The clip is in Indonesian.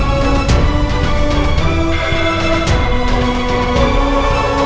udah diem kamu